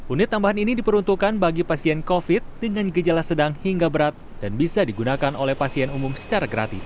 unit tambahan ini diperuntukkan bagi pasien covid dengan gejala sedang hingga berat dan bisa digunakan oleh pasien umum secara gratis